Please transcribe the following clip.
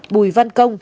một bùi văn công